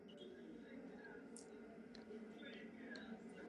Jeho předchůdcem bylo pravěké hradiště.